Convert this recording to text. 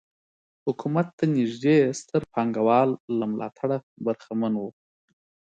حکومت ته نږدې ستر پانګوال له ملاتړه برخمن وو.